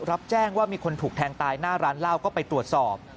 รับแจ้งว่ามีคนถูกแทงตายหน้าร้านเหล้าก็ไปตรวจสอบ